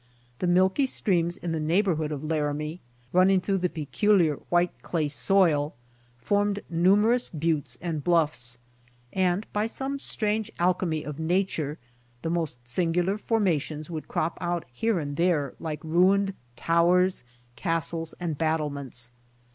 The milky streams in the neighborhood of Laramie, running through the pecu liar white clay soil, formed numerous buttes and bluffs, and by some strange alchemy of nature the most singular formations would crop out here and there, like ruined towers, castles and battlements.